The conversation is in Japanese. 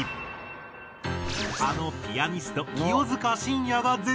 あのピアニスト清塚信也が絶賛！